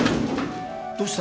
どうした？